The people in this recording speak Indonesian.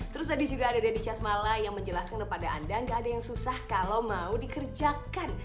terus tadi juga ada deddy casmala yang menjelaskan kepada anda nggak ada yang susah kalau mau dikerjakan